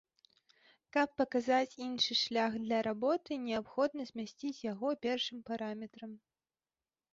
Каб паказаць іншы шлях для работы неабходна змясціць яго першым параметрам.